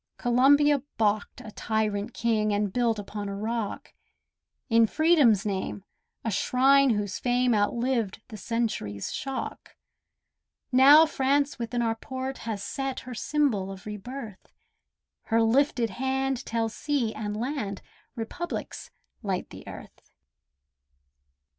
Columbia baulked a tyrant king, And built upon a rock, In Freedom's name, a shrine whose fame Outlived the century's shock. Now France within our port has set Her symbol of re birth; Her lifted hand tells sea and land Republics light the earth.